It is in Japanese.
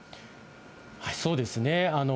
そうですね。